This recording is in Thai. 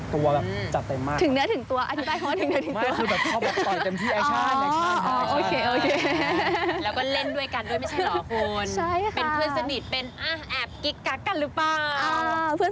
ครับและสงสัยคุณเอง